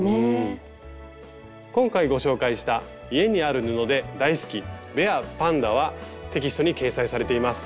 今回ご紹介した「家にある布で大好きベア＆パンダ」はテキストに掲載されています。